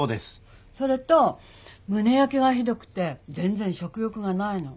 それと胸焼けがひどくて全然食欲がないの。